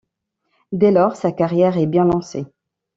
Dès lors, sa carrière est bien lancée.